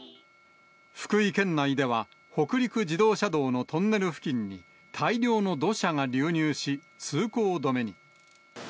福井県内では北陸自動車道のトンネル付近に、大量の土砂が流入し、通行止めに。